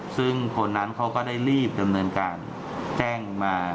ซึ่งคนนั้นเขาก็ได้รีบดำเนินการแจ้งมา